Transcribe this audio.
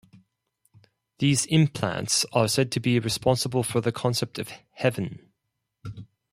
These implants are said to be responsible for the concept of Heaven.